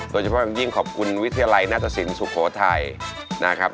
โดยเฉพาะอย่างยิ่งขอบคุณวิทยาลัยนาฏศิลปสุโขทัยนะครับ